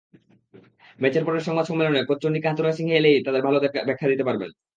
ম্যাচের পরের সংবাদ সম্মেলনে কোচ চন্ডিকা হাথুরুসিংহে এলেই ভালো ব্যাখ্যা দিতে পারতেন এসবের।